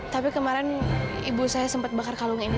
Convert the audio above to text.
tapi kemarin ibu saya sempat bakar kalung ini